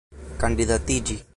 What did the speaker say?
kandidatiĝi